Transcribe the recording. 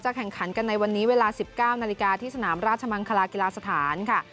แข่งขันกันในวันนี้เวลา๑๙นาฬิกาที่สนามราชมังคลากีฬาสถานค่ะ